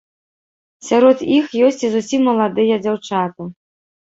Сярод іх ёсць і зусім маладыя дзяўчаты.